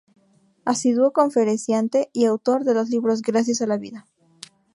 Asiduo conferenciante y autor de los libros: "Gracias a la vida.